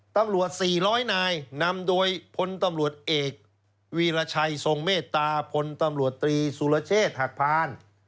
ตำรวจ๔๐๐นายนำโดยพลตำรวจเอกวีรชัยทรงเมตตาพลตำรวจตรีสุรเชษฐ์หักพาน